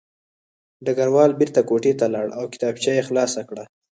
ډګروال بېرته کوټې ته لاړ او کتابچه یې خلاصه کړه